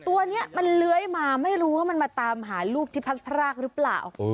ตัวนี้มันเลื้อยมาไม่รู้ว่ามันมาตามหาลูกที่พักพรากหรือเปล่า